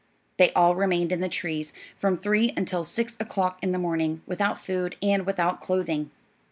They all remained in the trees from three until six o'clock in the morning, without food and without clothing.